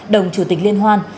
đồng chủ tịch liên hoan